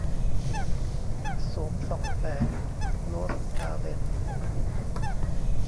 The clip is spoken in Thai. โสมส่องแสง - โรสลาเรน